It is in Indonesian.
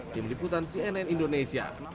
di meliputan cnn indonesia